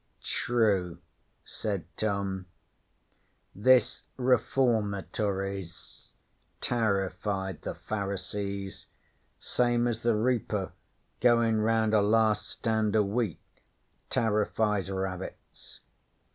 'True,' said Tom. 'This Reformatories tarrified the Pharisees same as the reaper goin' round a last stand o' wheat tarrifies rabbits.